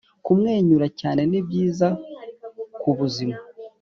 kumwenyura cyane ni byiza ku buzima